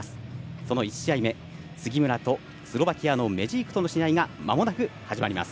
その１試合目、杉村とスロバキアのメジークの試合がまもなく始まります。